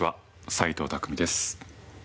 斎藤工です。